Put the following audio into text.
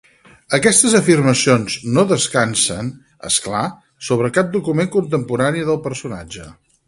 Aquestes afirmacions no descansen, és clar, sobre cap document contemporani del personatge.